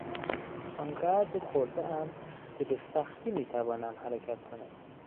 آنقدر خوردهام که به سختی میتوانم حرکت کنم.